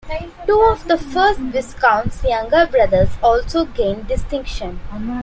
Two of the first Viscount's younger brothers also gained distinction.